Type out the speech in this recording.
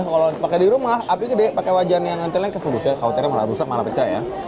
kalau pakai di rumah api gede pakai wajan yang lengket kauternya malah rusak malah pecah ya